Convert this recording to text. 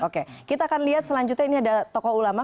oke kita akan lihat selanjutnya ini ada tokoh ulama